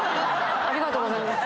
ありがとうございます。